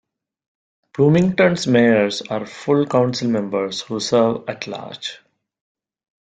Bloomington's mayors are full councilmembers who serve at large.